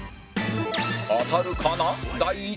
当たるかな？